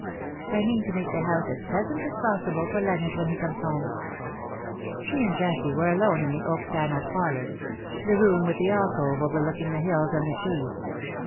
" I mean to make the house as pleasant as possible for Leonard when he comes home/'' She and Jessie were alone in the oak panelled parlour — the room with the alcove overlooking the hills and the sea.